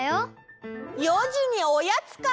４じにおやつか。